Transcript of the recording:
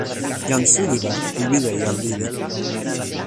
jan suli la, mi wile jan lili.